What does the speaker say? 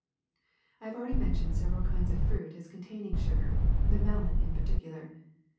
^^I have already mentioned several kinds of fruit as containing sugar, the melon in particular.